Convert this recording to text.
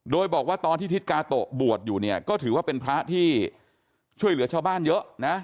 โดยบอกว่าตอนที่ทิศกาโตะบวชอยู่เนี่ยก็ถือว่าเป็นพระที่ช่วยเหลือชาวบ้านเยอะนะ